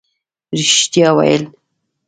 رښتیا ویل